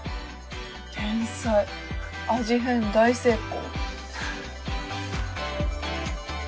天才味変大成功。